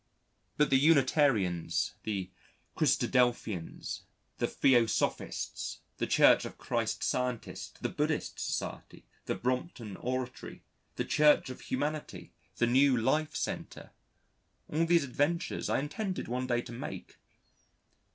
But the Unitarians, the Christadelphians, the Theosophists, the Church of Christ Scientist, the Buddhist Society, the Brompton Oratory, the Church of Humanity, the New Life Centre; all these adventures I intended one day to make....